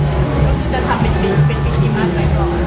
ก็คือจะทำเป็นวิธีมากเลยก่อน